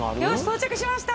到着しました。